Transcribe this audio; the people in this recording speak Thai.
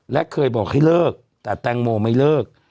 และเคยบอกให้เลิกแต่แตงโมไม่เลิก